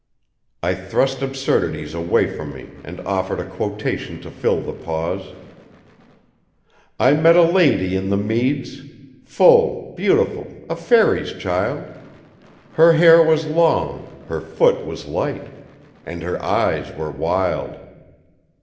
I thrust absurdities away from me and offered a quotation to fill the pause: "'I met a lady in the meads' 'Full beautiful; a faery's child.' 'Her hair was long, her foot was light,' 'And her eyes were wild.'"